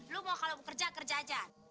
lo mau kalau mau kerja kerja aja